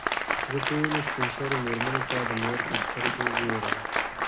زه ټولو سپین سرو مېرمنو ته د مور په سترګو ګورم.